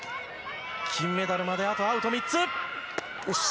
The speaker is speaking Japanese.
金メダルまで、あとアウト３つ。